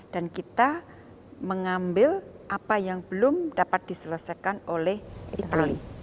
dan kita mengambil apa yang belum dapat diselesaikan oleh itali